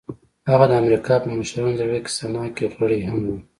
هغه د امريکا په مشرانو جرګه سنا کې غړی هم و.